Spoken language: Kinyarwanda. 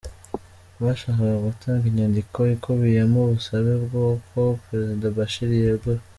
Bashakaga gutanga inyandiko ikubiyemo ubusabe bwuko Perezida Bashir yegura.